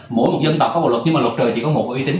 mỗi một dân tộc có bộ luật nhưng mà luật trời chỉ có một uy tín